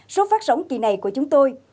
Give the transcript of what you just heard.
số phát sóng kỳ này của chúng tôi